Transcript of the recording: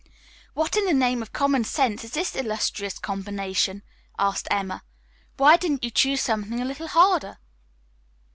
"What in the name of common sense is this illustrious combination?" asked Emma. "Why didn't you choose something a little harder."